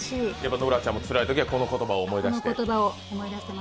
ノラちゃんもつらいときは、この言葉を思い出して。